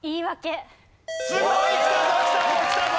すごい！きたぞきたぞきたぞ！